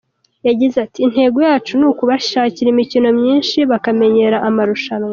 Yagize ati” Intego yacu ni ukubashakira imikino myinshi bakamenyera amarushanwa.